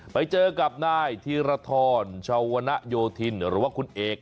ไปเจอกับนายธีรทรชาวนโยธินหรือว่าคุณเอก